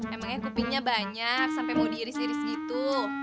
emangnya kupingnya banyak sampai mau diiris iris gitu